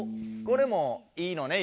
これもいいのね？